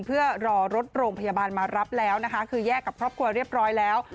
เพื่อรอรถโรงพยาบาลมารับแล้วนะคะคือแยกกับครอบครัวเรียบร้อยแล้ว